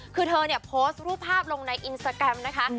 คือเธอเนี่ยโพสต์รูปภาพลงในอินสตาแกรมนะคะ